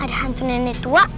ada hantu nenek tua